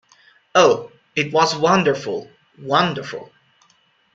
Oh, it was wonderful — wonderful.